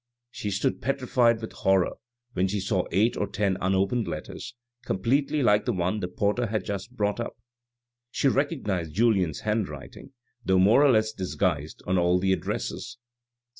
She stood petrified with horror when she saw eight or ten unopened letters, completely like the one the porter had just brought up. She recognised Julien's handwriting, though more or less disguised, on all the addresses.